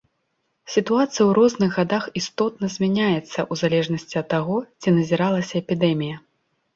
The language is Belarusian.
Сітуацыя ў розных гадах істотна змяняецца ў залежнасці ад таго, ці назіралася эпідэмія.